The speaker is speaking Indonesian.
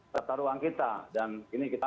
tata ruang kita dan ini kita